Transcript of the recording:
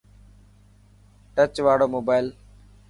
ٽچ واڙو موبائل.